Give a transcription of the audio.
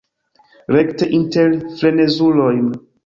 Rekte inter frenezulojn.